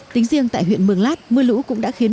tính riêng tại huyện mường lát mưa lũ cũng đã khiến